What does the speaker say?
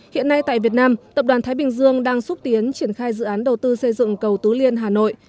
hiện nay tại việt nam tập đoàn thái bình dương đang xúc tiến triển khai dự án đầu tư xây dựng cầu tứ liên hà nội